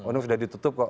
sudah ditutup kok